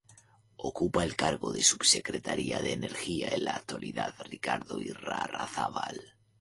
Ocupa el cargo de Subsecretaria de Energía en la actualidad Ricardo Irarrázabal.